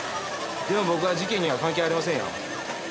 でも僕は事件には関係ありませんよ。